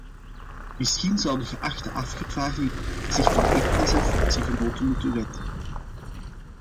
Misschien zou de geachte afgevaardigde zich tot een van zijn fractiegenoten moeten wenden.